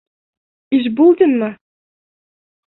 Ишбулдинмы?